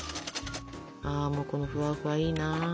ああもうこのふわふわいいな。